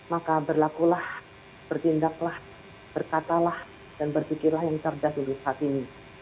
maka berlakulah bertindaklah berkatalah dan berpikirlah yang cerdas untuk saat ini